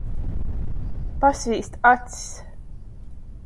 Pasvīst acs.